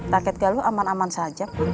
rakyat galuh aman aman saja pun